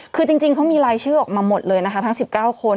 คือจริงเขามีรายชื่อออกมาหมดเลยนะคะทั้ง๑๙คน